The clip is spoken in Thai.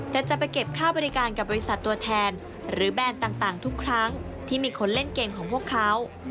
แต่จะไปเก็บค่าบริการกับบริษัทตัวแทนหรือแบรนด์ต่างทุกครั้งที่มีคนเล่นเกมของพวกเขา